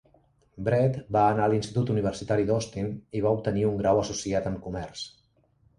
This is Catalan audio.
Brede va anar a l'institut universitari d'Austin i va obtenir un Grau Associat en comerç.